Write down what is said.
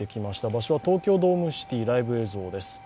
場所は東京ドームシティライブ映像です。